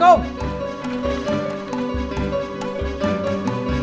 oh kamu mau ke cidahu